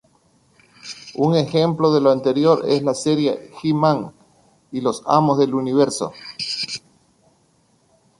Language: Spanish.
Un ejemplo de lo anterior es la serie "He-Man y los Amos del Universo".